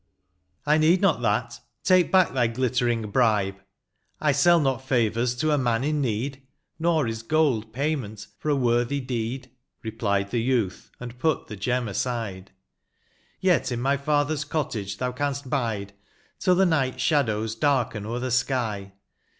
" I NEED not that — take back thy glittering bribe, I sell not favours to a man in need. Nor is gold payment for a worthy deed," Replied the youth, and put the gem aside; *^ Yet in my father's cottage thou canst 'bide Till the night shadows darken o er the sky.